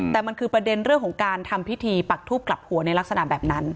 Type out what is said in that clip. แต่มันคือประเด็นเรื่องของการทำพิธีปักทูบกลับหัวในลักษณะแบบนั้น